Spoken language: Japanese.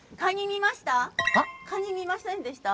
カニ見ませんでした？